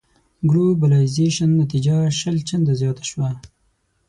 ګلوبلایزېشن نتيجه شل چنده زياته شوه.